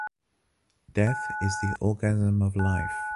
Death is the orgasm of life!